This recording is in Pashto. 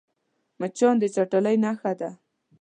مچان د چټلۍ نښه ده